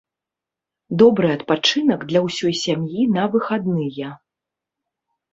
Добры адпачынак для ўсёй сям'і на выхадныя.